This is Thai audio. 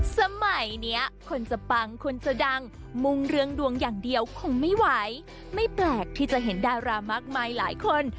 สมัยเนี้ยคนจะปังคนจะดังมุ่งเรื่องดวงอย่างเดียวคงไม่ไหวไม่แปลกที่จะเห็นดารามากมายหลายคน